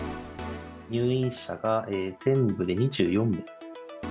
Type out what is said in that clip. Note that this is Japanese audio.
入院者が全部で２４名。